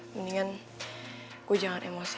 mendingan gue jangan emosi